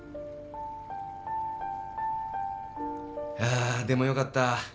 あでもよかった